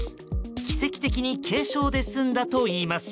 奇跡的に軽傷で済んだといいます。